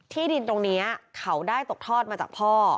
ที่ดินตรงนี้เขาได้ตกทอดมาจากพ่อ